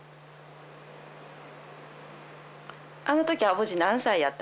あの時アボジ何歳やった？